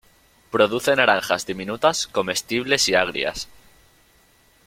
Produce naranjas diminutas comestibles y agrias.